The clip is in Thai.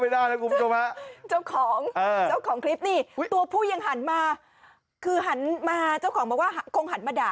เดี๋ยวตอนนี้เขาถ่ายทุกอย่างอยู่